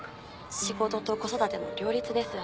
仕事と子育ての両立です。